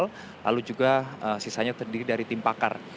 lalu juga sisanya terdiri dari tim pakar